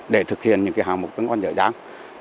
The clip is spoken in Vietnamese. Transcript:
để thực hiện những cái hạng mục vẫn còn dở dang